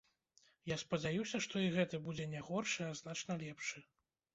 Я спадзяюся, што і гэты будзе не горшы, а значна лепшы.